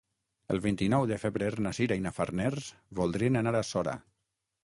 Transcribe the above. El vint-i-nou de febrer na Sira i na Farners voldrien anar a Sora.